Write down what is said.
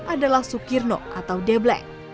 adalah sukirno atau de bleng